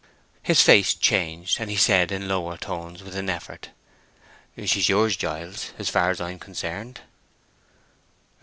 His face changed, and he said, in lower tones, with an effort, "She's yours, Giles, as far as I am concerned."